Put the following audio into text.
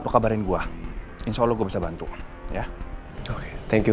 ke kabarin gua insya allah gue bisa bantu